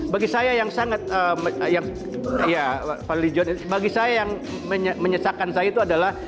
bagi saya yang sangat yang ya pak lijon bagi saya yang menyesakan saya itu adalah